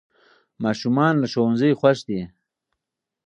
ماشومان له ښوونځي خوښ دي.